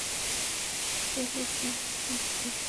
Taylor নামে তার এক যমজ ভাই আছে।